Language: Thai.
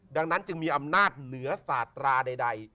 ดังนั้นจึงมีอำนาจเหนือสาตราใด